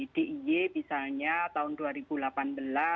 d i y misalnya tahun dua ribu delapan belas